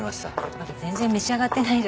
まだ全然召し上がってないじゃないですか。